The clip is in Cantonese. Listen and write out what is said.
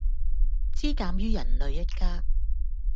茲鑒於人類一家